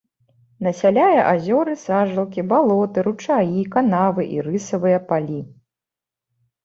Насяляе азёры, сажалкі, балоты, ручаі, канавы і рысавыя палі.